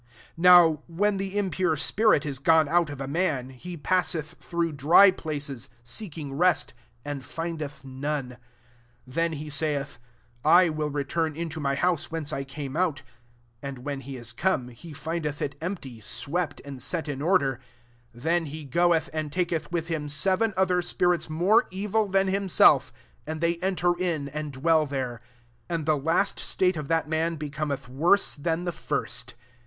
43 Now when the impure spirit is gone out of a man, he passeth through dry places, seeking rest ; and findeth none. 44 Then he ssuth, ' I wiU retnni into my house whence I caxne out:' and when he is come, he findeth it empty, swept, and aet in order. 45 Then he goelhy and taketh with him aeven other spirits more evil dian himself, and they enter in, and dwell there : and the last state of that man becometh worse than the first.